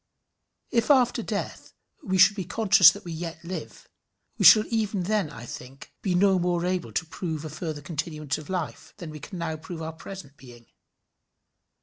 If after death we should be conscious that we yet live, we shall even then, I think, be no more able to prove a further continuance of life, than we can now prove our present being.